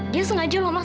dia sengaja loh mas